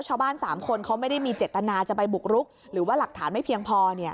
ชาวบ้าน๓คนเขาไม่ได้มีเจตนาจะไปบุกรุกหรือว่าหลักฐานไม่เพียงพอ